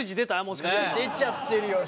もしかして今。出ちゃってるよ。